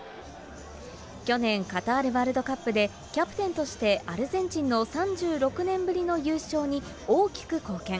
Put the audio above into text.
去年、カタールワールドカップで、キャプテンとしてアルゼンチンの３６年ぶりの優勝に大きく貢献。